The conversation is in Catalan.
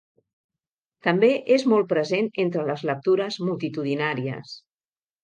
També és molt present entre les lectures multitudinàries.